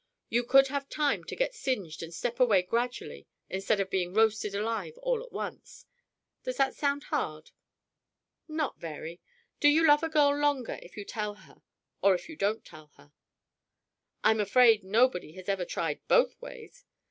You could have time to get singed and step away gradually instead of being roasted alive all at once. Does that sound hard?" "Not very! Do you love a girl longer if you tell her or if you don't tell her?" "I'm afraid nobody has ever tried both ways!